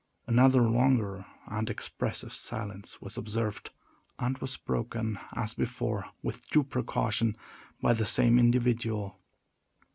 Another longer and expressive silence was observed, and was broken, as before, with due precaution, by the same individual.